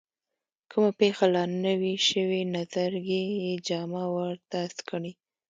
کومه پېښه لا نه وي شوې نظرګي یې جامه ورته سکڼي.